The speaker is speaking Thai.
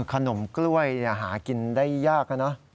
ขนมกล้วยหากินได้ยากนะ